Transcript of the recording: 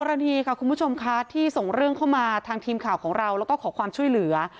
รณีค่ะคุณผู้ชมค่ะที่ส่งเรื่องเข้ามาทางทีมข่าวของเราแล้วก็ขอความช่วยเหลือ